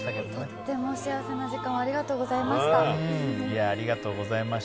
とっても幸せな時間をありがとうございました。